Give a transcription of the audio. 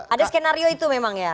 ada skenario itu memang ya